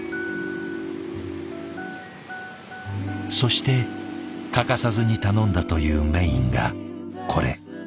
そして欠かさずに頼んだというメインがこれ。